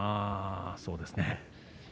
そうですね。